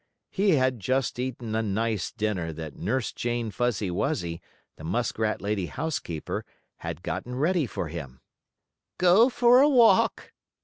He had just eaten a nice dinner that Nurse Jane Fuzzy Wuzzy, the muskrat lady housekeeper, had gotten ready for him. "Go for a walk!"